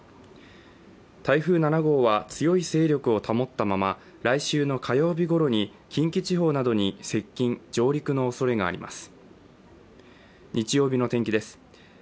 台風７号は強い勢力を保ったまま来週の火曜日ごろに近畿地方などに接近・上陸のおそれがあります。